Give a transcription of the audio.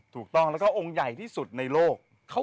ถูกต้องแล้วก็องค์ใหญ่ที่สุดในโลก